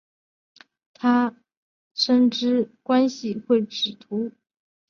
他最为人所知的是将太平洋中深层地震发生的深度与震央位置关系绘制成图。